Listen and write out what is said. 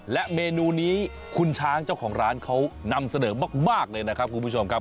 และเมนูนี้คุณช้างเจ้าของร้านเขานำเสนอมากเลยนะครับคุณผู้ชมครับ